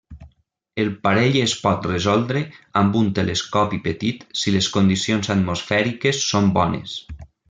El parell es pot resoldre amb un telescopi petit si les condicions atmosfèriques són bones.